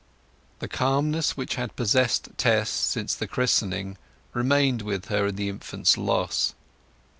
The calmness which had possessed Tess since the christening remained with her in the infant's loss.